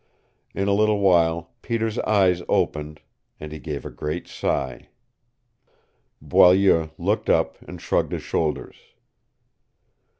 In a little while Peter's eyes opened and he gave a great sigh. Boileau looked up and shrugged his shoulders.